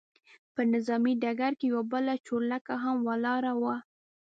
پر نظامي ډګر کې یوه بله چورلکه هم ولاړه وه.